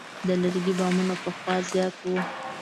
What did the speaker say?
د لرګي بامونه پخوا زیات وو.